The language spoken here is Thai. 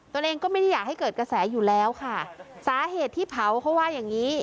ตัวเองก็ไม่ได้อยากให้เกิดกระแสอยู่แล้วค่ะสาเหตุที่เผาเขาว่าอย่างงี้